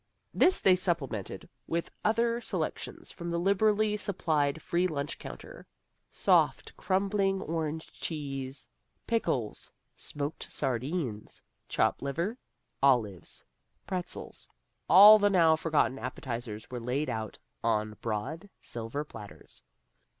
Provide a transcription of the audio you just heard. This they supplemented with other selections from the liberally supplied free lunch counter. Soft, crumbling orange cheese, pickles, smoked sardines, chopped liver, olives, pretzels all the now forgotten appetizers were laid out on broad silver platters.